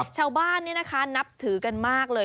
ชาวบ้านนับถือกันมากเลย